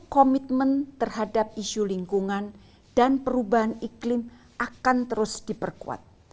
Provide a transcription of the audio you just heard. komitmen terhadap isu lingkungan dan perubahan iklim akan terus diperkuat